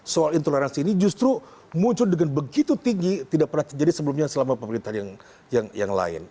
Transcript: soal intoleransi ini justru muncul dengan begitu tinggi tidak pernah terjadi sebelumnya selama pemerintahan yang lain